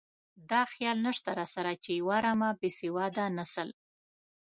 دا خیال نشته راسره چې یوه رمه بې سواده نسل.